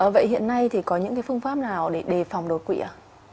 vậy hiện nay thì có những cái phương pháp nào để đề phòng đột quỵ ạ